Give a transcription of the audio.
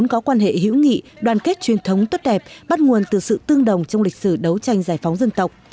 những nước mỹ la tinh vốn có quan hệ hữu nghị đoàn kết truyền thống tốt đẹp bắt nguồn từ sự tương đồng trong lịch sử đấu tranh giải phóng dân tộc